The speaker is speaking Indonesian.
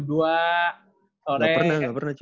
nggak pernah nggak pernah cuy